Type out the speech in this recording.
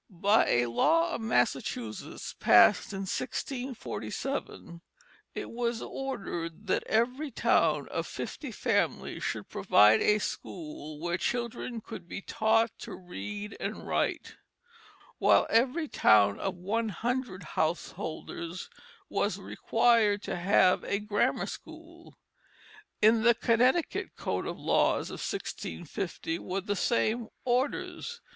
By a law of Massachusetts, passed in 1647, it was ordered that every town of fifty families should provide a school where children could be taught to read and write; while every town of one hundred householders was required to have a grammar school. In the Connecticut Code of Laws of 1650 were the same orders.